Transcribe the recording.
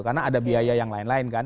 karena ada biaya yang lain lain kan